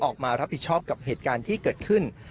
ออกมารับผิดชอบกับเหตุการณ์ที่เกิดขึ้น